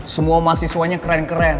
semua mahasiswanya keren keren